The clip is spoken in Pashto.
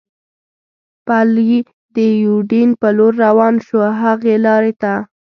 پلي د یوډین په لور روان شو، هغې لارې ته.